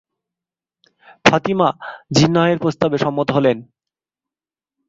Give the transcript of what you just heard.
ফাতিমা জিন্নাহ এ প্রস্তাবে সম্মত হলেন।